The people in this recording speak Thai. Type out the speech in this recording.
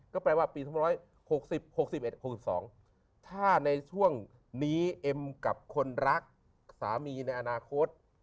ก็แปลว่าปี๒๖๐๖๑๖๒ถ้าในช่วงนี้เอ็มกับคนรักสามีในอนาคต